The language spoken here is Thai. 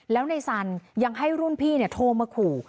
แล้วในสันยังให้รุ่นพี่โทรมาขู่